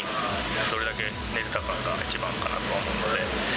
どれだけ寝られたかが一番かなとは思うので。